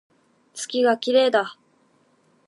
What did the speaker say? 月が綺麗だ